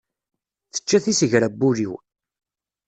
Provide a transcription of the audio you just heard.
Tečča tisegra n wul-iw.